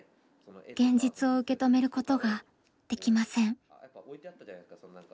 現実を受け止めることができません。